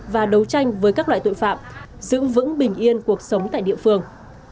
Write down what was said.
và đấu tranh với các loại tội phạm giữ vững bình yên cuộc sống tại địa phương